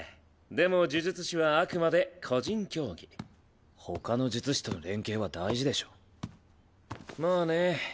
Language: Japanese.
でも呪術師はあくまで個人競技ほかの術師との連携は大事でしょまあね。